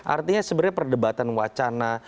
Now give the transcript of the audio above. artinya sebenarnya perdebatan wacana